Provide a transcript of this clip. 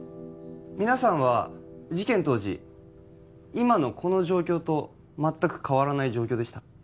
皆さんは事件当時今のこの状況と全く変わらない状況でした？